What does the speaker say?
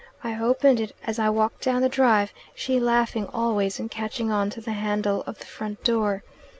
I opened it as I walked down the drive, she laughing always and catching on to the handle of the front door.